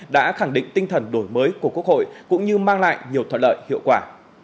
đã khẳng định tinh thần đổi mới của quốc hội cũng như mang lại nhiều thuận lợi hiệu quả